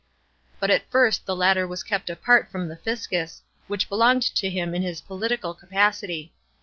But at first the latter was kept apart from the fiscus, which belonged to him in his political capacity.